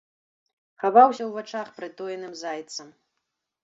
Хаваўся ў вачах прытоеным зайцам.